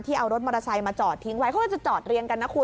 เอารถมอเตอร์ไซค์มาจอดทิ้งไว้เขาก็จะจอดเรียงกันนะคุณ